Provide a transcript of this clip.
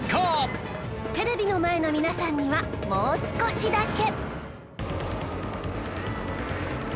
テレビの前の皆さんにはもう少しだけ